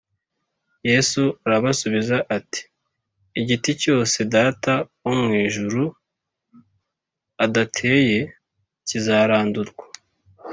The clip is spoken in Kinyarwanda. yesu arabasubiza ati, “igiti cyose data wo mu ijuru adateye kizarandurwa